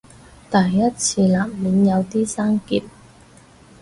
第一次難免有啲生澀